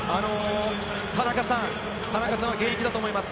田中さん、現役だと思います。